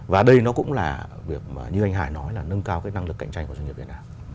và đây nó cũng là việc mà như anh hải nói là nâng cao cái năng lực cạnh tranh của doanh nghiệp việt nam